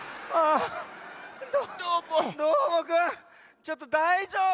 ちょっとだいじょうぶ？